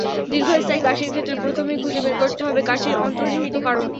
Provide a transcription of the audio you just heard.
দীর্ঘস্থায়ী কাশির ক্ষেত্রে প্রথমেই খুঁজে বের করতে হবে কাশির অন্তর্নিহিত কারণ।